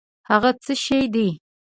هٔغه څه شی دی؟